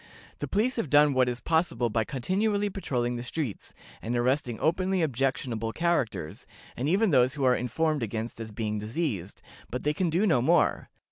The police have done what is possible by continually patrolling the streets, and arresting openly objectionable characters, and even those who are informed against as being diseased, but they can do no more.